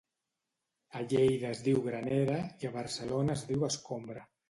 A Lleida es diu granera i a Barcelona es diu escombra